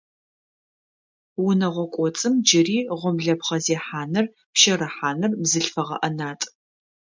Унэгъо кӏоцӏым джыри гъомлэпхъэ зехьаныр, пщэрыхьаныр бзылъфыгъэ ӏэнатӏ.